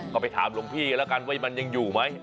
ก็ไปถามหลวงพี่กันแล้วกันว่ามันยังอยู่ไหม